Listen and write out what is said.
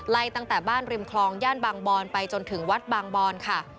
ตั้งแต่บ้านริมคลองย่านบางบอนไปจนถึงวัดบางบอนค่ะ